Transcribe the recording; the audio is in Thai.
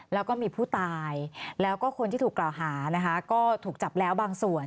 แล้วก็มีผู้ตายแล้วก็คนที่ถูกกล่าวหานะคะก็ถูกจับแล้วบางส่วน